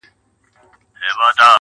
د غيږي د خوشبو وږم له مياشتو حيسيږي.